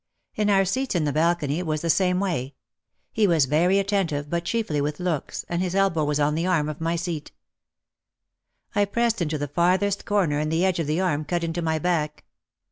In our seats in the balcony it was the same way. He was very attentive but chiefly with looks, and his elbow was on the arm of my seat. I pressed into the farthest corner and the edge of the arm cut into my back.